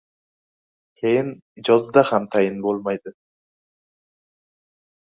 Keyin, ijodidayam tayin bo‘lmaydi.